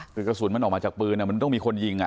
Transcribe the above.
คือกระสุนมันออกมาจากปืนมันต้องมีคนยิง